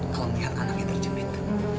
kalau melihat anaknya terjemit